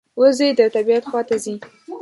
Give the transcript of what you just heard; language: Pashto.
وزې د طبعیت خوا ته ځي